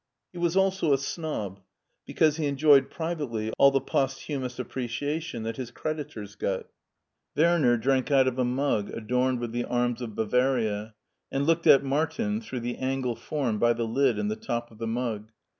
He was also a snob, because he enjoyed privately all the posthumous appreciation that his creditors got. Werner drank out of a mug adorned with the arms of Bavaria, and looked at Martin through the angle formed by the lid and the top of the mug.